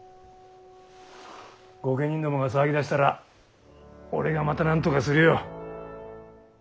御家人どもが騒ぎだしたら俺がまたなんとかするよ。